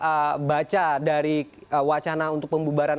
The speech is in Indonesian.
apa yang anda baca dari wacana untuk pembubaran